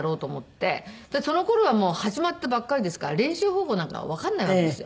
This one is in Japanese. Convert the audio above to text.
その頃はもう始まったばっかりですから練習方法なんかわかんないわけですよ。